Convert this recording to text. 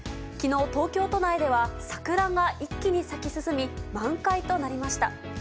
きのう、東京都内では桜が一気に咲き進み、満開となりました。